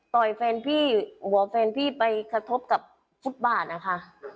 แฟนพี่หัวแฟนพี่ไปกระทบกับฟุตบาทนะคะ